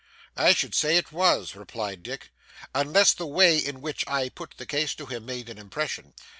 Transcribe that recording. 'I should said it was,' replied Dick; 'unless the way in which I put the case to him, made an impression.